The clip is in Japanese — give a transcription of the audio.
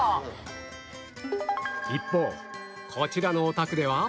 一方こちらのお宅では